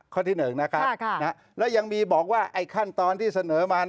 ที่๑นะครับแล้วยังมีบอกว่าไอ้ขั้นตอนที่เสนอมา